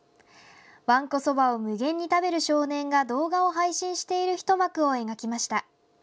わんこそばを無限に食べる少年が動画を配信している一幕を描きました。